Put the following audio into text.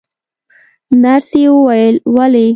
نرسې وویل: ولې؟